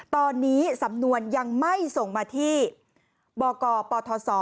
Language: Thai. ตอนนี้สำนวนยังไม่ส่งมาที่บกปทศ